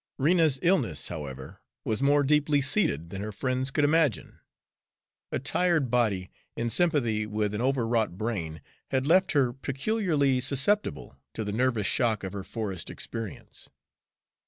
Rena's illness, however, was more deeply seated than her friends could imagine. A tired body, in sympathy with an overwrought brain, had left her peculiarly susceptible to the nervous shock of her forest experience.